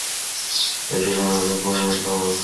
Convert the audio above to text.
এটি বাঙালি কবি মাইকেল মধুসূদন দত্তের নামে নামাঙ্কিত।